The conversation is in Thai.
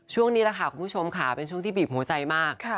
ช่วงนี้แหละค่ะคุณผู้ชมค่ะเป็นช่วงที่บีบหัวใจมาก